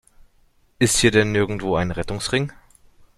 Ist hier denn nirgendwo ein Rettungsring?